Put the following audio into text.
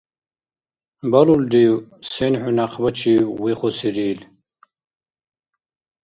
Балулрив сен хӀу някъбачив вихусирил?